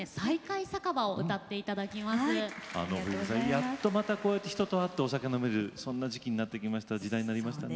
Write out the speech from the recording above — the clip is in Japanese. やっとまたこうやって人と会ってお酒が飲めるそんな時期になってきました時代になりましたね。